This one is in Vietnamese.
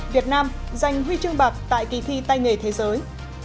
việt nam giành huy chương bạc tại kỳ thi tay nghề thế giới